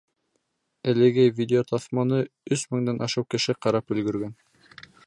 Әлеге видеотаҫманы өс меңдән ашыу кеше ҡарап өлгөргән.